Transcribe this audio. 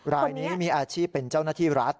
รายนี้มีอาชีพเป็นเจ้าหน้าที่รัฐ